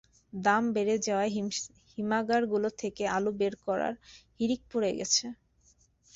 দাম বেড়ে যাওয়ায় হিমাগারগুলো থেকে আলু বের করার হিড়িক পড়ে গেছে।